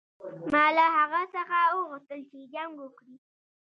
ما له هغه څخه وغوښتل چې جنګ وکړي.